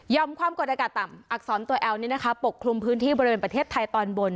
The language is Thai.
ความกดอากาศต่ำอักษรตัวแอลปกคลุมพื้นที่บริเวณประเทศไทยตอนบน